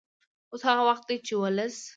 اوس هغه وخت دی چې ولس